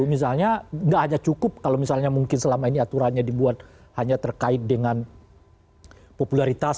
misalnya nggak hanya cukup kalau misalnya mungkin selama ini aturannya dibuat hanya terkait dengan popularitas